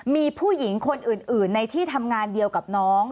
มีผู้หญิงคนอื่นในที่ทำงานเดียวกับน้อง